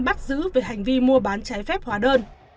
bắt giữ về hành vi mua bán trái phép hóa đơn